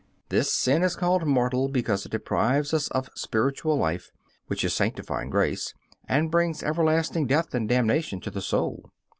This sin is called mortal because it deprives us of spiritual life, which is sanctifying grace, and brings everlasting death and damnation on the soul.